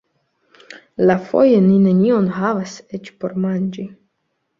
Iafoje ni nenion havas eĉ por manĝi.